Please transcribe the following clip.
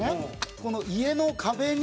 この家の壁に。